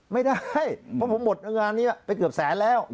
ไม่ได้เพราะผมหมดงานนี้ไปเกือบแสนแล้ว